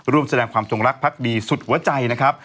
รวมแสดงความจงรักพรรคดีสุดวจัยนะครับ